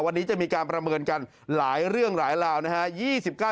วันนี้จะมีการประเมินกันหลายเรื่องหลายราวนะฮะ